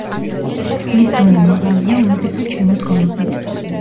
წყლის დონე მაღალია უმეტესად შემოდგომობით.